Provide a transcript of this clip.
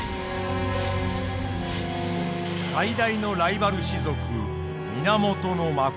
最大のライバル氏族源信。